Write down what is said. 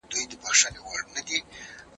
رحمت خان سدوزى عيسى هوتک